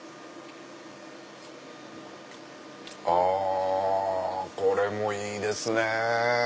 あこれもいいですねぇ！